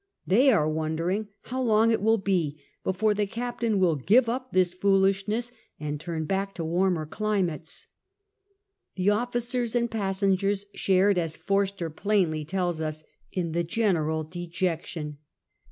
Tlioy arc vondering how long it will be before the caiitaiii will give up this foolishness and turn Kick to warmer cliniatea The officers and [lassongers shared, as Forster plainly tells us, in the general dejection.